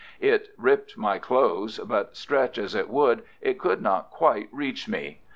It ripped my clothes, but, stretch as it would, it could not quite reach me.